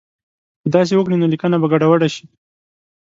که داسې وکړي نو لیکنه به ګډوډه شي.